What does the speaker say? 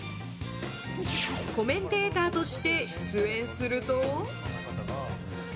コメンテーターとして出演すると。